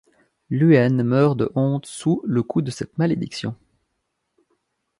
Luaine meurt de honte sous le coup de cette malédiction.